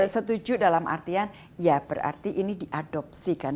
setuju dalam artian ya berarti ini diadopsikan